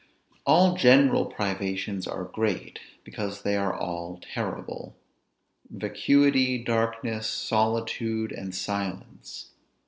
ALL general privations are great, because they are all terrible; vacuity, darkness, solitude, and silence.